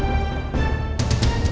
mending lo pergi